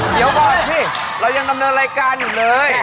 เดี๋ยวก่อนสิเรายังดำเนินรายการอยู่เลย